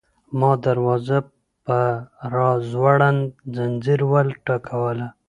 ما دروازه په راځوړند ځنځیر وټکوله.